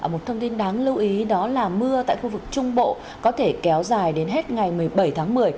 một thông tin đáng lưu ý đó là mưa tại khu vực trung bộ có thể kéo dài đến hết ngày một mươi bảy tháng một mươi